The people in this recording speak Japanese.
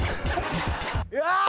うわ！